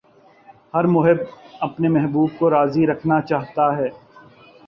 ہر محب اپنے محبوب کو راضی رکھنا چاہتا ہے۔